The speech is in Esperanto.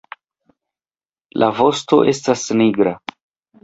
La vosto estas nigra.